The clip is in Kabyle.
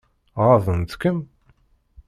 Ɣaḍent-kem?